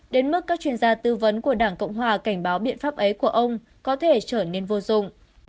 đến mức các chuyên gia tư vấn của đảng cộng hòa cảnh báo biện pháp ấy của ông có thể trở nên vô dụng